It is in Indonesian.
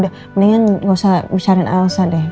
mendingan gak usah bicarin elsa deh